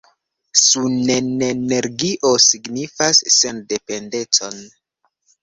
Sunenenergio signifas sendependecon!